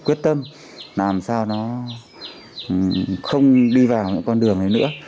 quyết tâm làm sao nó không đi vào những con đường này nữa